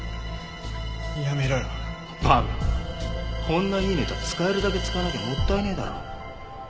こんないいネタ使えるだけ使わなきゃもったいねえだろ。